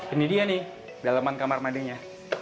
ini dia nih dalaman kamar mandinya